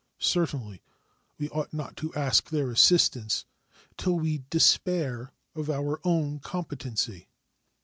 Certainly we ought not to ask their assistance till we despair of our own competency.